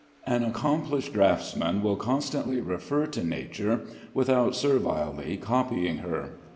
An accomplished draughtsman will constantly refer to nature without servilely copying her.